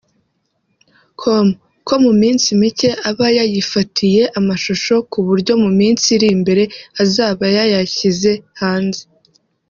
com ko mu minsi mike aba yayifatiye amashusho ku buryo mu minsi iri imbere azaba yayashyize hanze